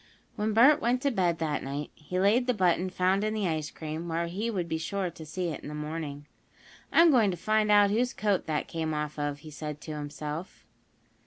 When Bert went to bed that night he laid the button found in the ice cream where he would be sure to see it in the morning. "I'm going to find out whose coat that came off of," he said to himself.